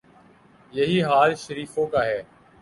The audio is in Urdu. یہی حال شریفوں کا ہے۔